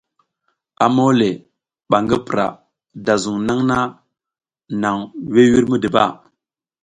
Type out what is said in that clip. A mole ba ngi pura da zung nang nang vur vur midiba.